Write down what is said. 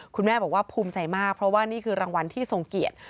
คุณแม่บอกว่าภูมิใจมากเพราะว่านี่คือรางวัลที่ทรงเกียรติ